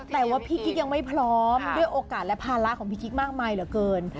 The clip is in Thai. แต่ว่าพี่กิ๊กยังไม่พร้อมด้วยโอกาสและภาระของพี่กิ๊กมากมายเหลือเกิน